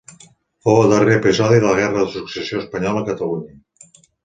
Fou el darrer episodi de la Guerra de Successió Espanyola a Catalunya.